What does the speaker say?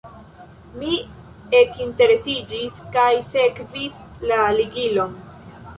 Mi ekinteresiĝis kaj sekvis la ligilon.